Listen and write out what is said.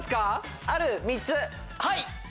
はい！